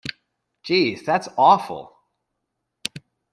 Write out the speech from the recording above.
Jeez, that's awful!